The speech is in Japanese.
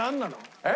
えっ？